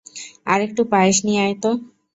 আরেকটু পায়েস নিয়ে আয় তো।